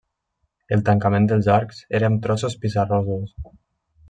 El tancament dels arcs era amb trossos pissarrosos.